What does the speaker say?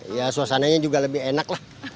ya suasananya juga lebih enak lah